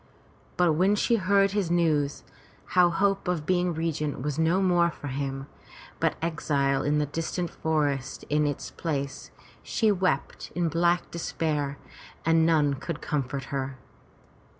But when she heard his news, how hope of being regent was no more for him, but exile in the distant forest in its place, she wept in black despair and none could comfort her.